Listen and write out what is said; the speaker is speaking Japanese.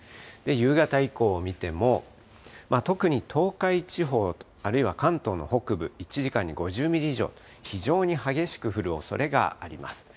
夕方以降を見ても、特に東海地方と、あるいは関東の北部、１時間に５０ミリ以上の非常に激しく降るおそれがあります。